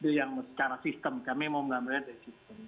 itu yang secara sistem kami mau mengambil dari sistem